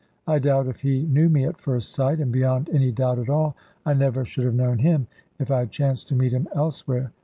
I doubt if he knew me, at first sight; and beyond any doubt at all, I never should have known him, if I had chanced to meet him elsewhere.